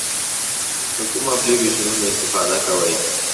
د کومو اپلیکیشنونو استفاده کوئ؟